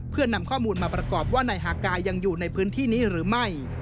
เพื่อนำข้อมูลมาประกอบว่านายฮากายังอยู่ในพื้นที่นี้หรือไม่